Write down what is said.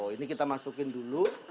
ini kita masukin dulu